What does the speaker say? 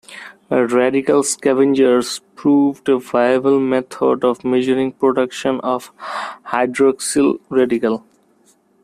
Radical scavengers proved a viable method of measuring production of hydroxyl radical.